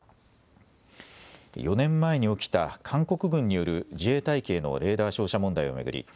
４年前に起きた韓国軍による自衛隊機へのレーダー照射問題を巡り